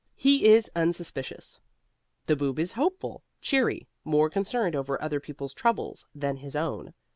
HE IS UNSUSPICIOUS The Boob is hopeful, cheery, more concerned over other people's troubles than his own.